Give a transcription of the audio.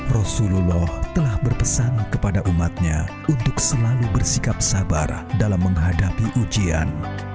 rasulullah telah berpesan kepada umatnya untuk selalu bersikap sabar dalam menghadapi ujian